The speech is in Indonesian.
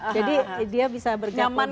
jadi dia bisa bergabung